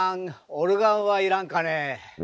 オルガンはいらんかね？